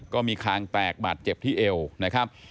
คางแตกบาดเจ็บที่เอวนะครับ